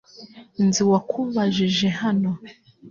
Nzi uwakubajije hano .